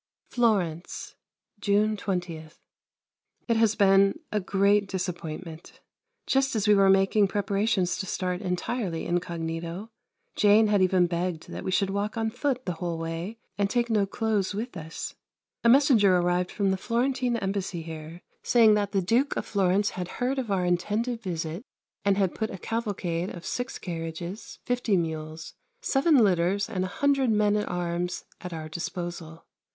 Florence, June 20. It has been a great disappointment. Just as we were making preparations to start entirely incognito Jane had even begged that we should walk on foot the whole way and take no clothes with us a messenger arrived from the Florentine Embassy here, saying that the Duke of Florence had heard of our intended visit and had put a cavalcade of six carriages, fifty mules, seven litters, and a hundred men at arms at our disposal.